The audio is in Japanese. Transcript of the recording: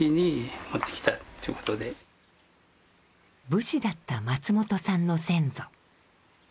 武士だった松本さんの先祖。